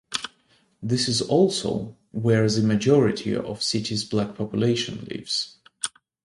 This is also where the majority of the city's black population lives.